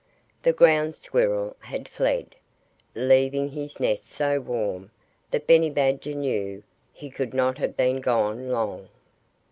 The Ground Squirrel had fled, leaving his nest so warm that Benny Badger knew he could not have been gone long.